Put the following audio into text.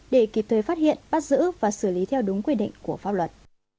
để kịp thời phát hiện bắt giữ và xử lý theo đúng quy định của pháp luật